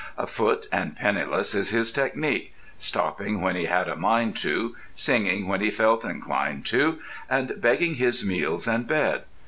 Afoot and penniless is his technique—"stopping when he had a mind to, singing when he felt inclined to"—and begging his meals and bed.